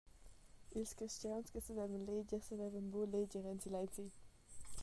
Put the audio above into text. Ils carstgauns che savevan leger savevan buca leger en silenzi.